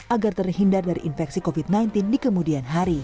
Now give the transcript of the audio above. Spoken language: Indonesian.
agar terhindar dari infeksi covid sembilan belas di kemudian hari